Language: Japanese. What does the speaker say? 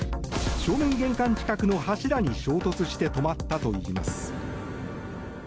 正面玄関近くの柱に衝突して止まったといいます。